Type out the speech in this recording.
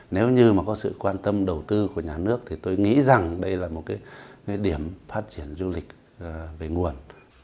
nếu như mà có sự quan tâm đầu tư của nhà nước thì tôi nghĩ rằng đây là một cái điểm phát triển du lịch về nguồn